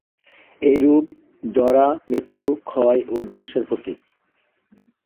এই রূপ জরা, মৃত্যু, ক্ষয় ও ধ্বংসের প্রতীক।